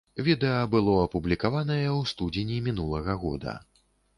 Відэа было апублікаванае ў студзені мінулага года.